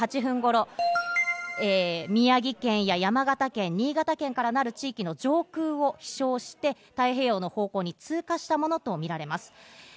７時４８分頃、宮城県や山形県、新潟県の上空を飛翔して、太平洋の方向に通過したものとみられます。